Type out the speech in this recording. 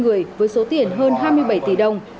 ba mươi người với số tiền hơn hai mươi bảy tỷ đồng